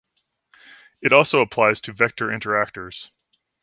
It also applies to vector interactors.